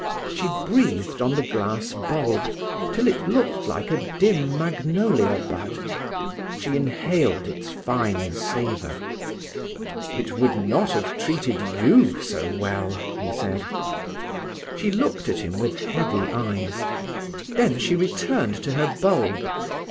She breathed on the glass bulb till it looked like a dim magnolia bud; she inhaled its fine savour. "It would not have treated you so well," he said. She looked at him with heavy eyes. Then she returned to her bulb.